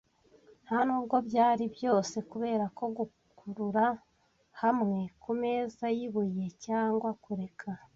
Ntanubwo byari byose, kuberako gukurura hamwe kumeza yibuye cyangwa kureka